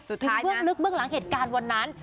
ถึงเบื้องลึกเบื้องหลังเหตุการณ์วันนั้น